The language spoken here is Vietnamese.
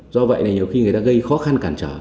do vậy là nhiều khi người ta gây khó khăn cản trở